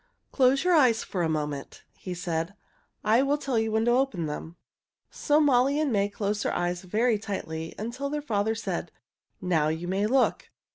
"Close your eyes for a moment," he said. "I will tell you when to open them." So Molly and May closed their eyes very tightly until their father said, "Now you may look."